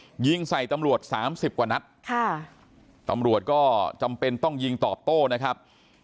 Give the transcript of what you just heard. ยิงใส่ตำรวจสามสิบกว่านัดค่ะตำรวจก็จำเป็นต้องยิงตอบโต้นะครับ